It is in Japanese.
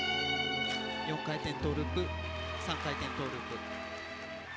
４回転トーループ、３回転トーループ。